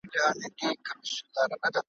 ورته راغی چي طبیب چا ورښودلی`